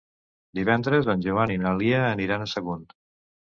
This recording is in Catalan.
Divendres en Joan i na Lia aniran a Sagunt.